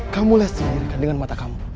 kamulah sendiri kanan dengan mata kamu